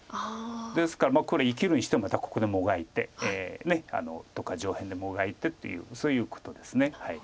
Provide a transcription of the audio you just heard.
ですからこれ生きるにしてもまたここでもがいてとか上辺でもがいてっていうそういうことです。